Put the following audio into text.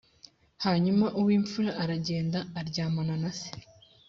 hanyuma uw’ imfura aragenda aryamana na se